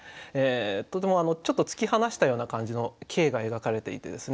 とてもちょっと突き放したような感じの景が描かれていてですね